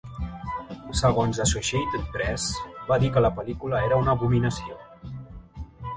Segons Associated Press, va dir que la pel·lícula era una abominació.